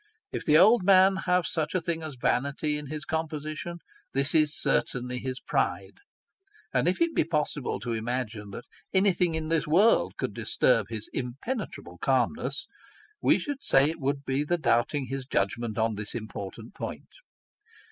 If the old man have such a thing as vanity in his composition, this is certainly his pride ; and if it be possible to imagine that anything in this world could disturb his impenetrable calmness, we should say it would be the doubting his judgment on this important point.